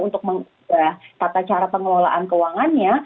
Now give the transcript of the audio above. untuk mengubah tata cara pengelolaan keuangannya